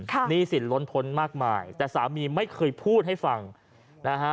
หนี้สินล้นพ้นมากมายแต่สามีไม่เคยพูดให้ฟังนะฮะ